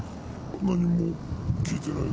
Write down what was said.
何も聞いてない。